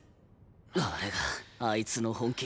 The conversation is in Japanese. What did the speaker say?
あれがあいつの本気。